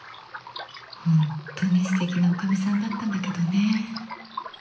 本当にすてきなおかみさんだったんだけどね。